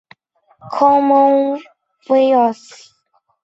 包箨矢竹为禾本科青篱竹属下的一个种。